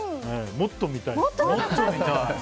もっと見たいね。